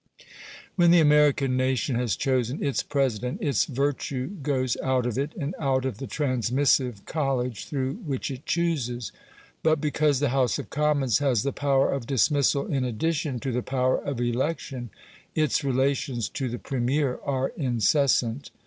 When the American nation has chosen its President, its virtue goes out of it, and out of the Transmissive College through which it chooses. But because the House of Commons has the power of dismissal in addition to the power of election, its relations to the Premier are incessant.